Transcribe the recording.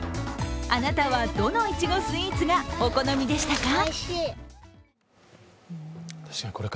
あなたはどのいちごスイーツがお好みでしたか？